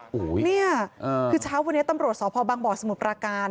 โอ้โหนี่คือเช้าวันนี้ตำรวจสอบพบสมุทรการ